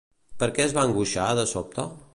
Per què es va angoixar, de sobte?